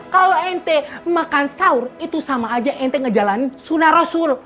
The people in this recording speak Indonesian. kalau ente makan sahur itu sama aja ente ngejalanin sunnah rasul